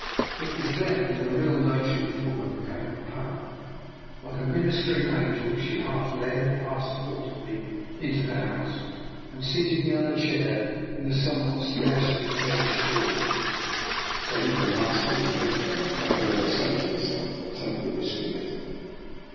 It was then that the real nature of the woman became apparent. Like a ministering angel she half led, half supported me into the house, and seated me on a chair in the somewhat sparsely furnished hall. " Friend of the master, or no friend," I heard her say to herself, " I'll take the risk of it."